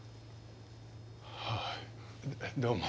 はいどうも。